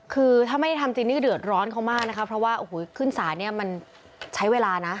คือถ้าไม่ได้ทำจริงนี่เดือดร้อนเขามากนะคะเพราะว่าโอ้โหขึ้นศาลเนี่ยมันใช้เวลานะ